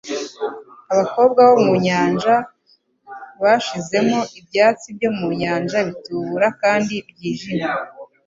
Abakobwa bo mu nyanja bashizemo ibyatsi byo mu nyanja bitukura kandi byijimye